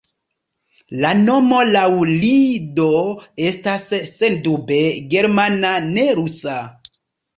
La nomo laŭ li do estas sendube germana, ne rusa.